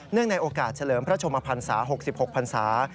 ในโอกาสเฉลิมพระชมพันศา๖๖พันศา